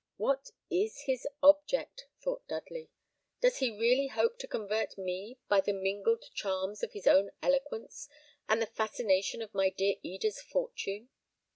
"What is his object?" thought Dudley. "Does he really hope to convert me by the mingled charms of his own eloquence, and the fascination of my dear Eda's fortune?"